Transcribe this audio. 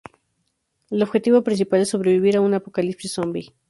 El objetivo principal es sobrevivir a un apocalipsis zombi.